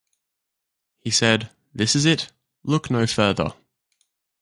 He said, This is it, look no further.